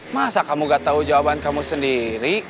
masa kamu gak tahu jawaban kamu sendiri